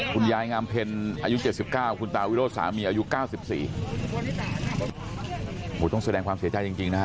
คุณยายงามเพ็ญอายุ๗๙คุณตาวิโรธสามีอายุ๙๔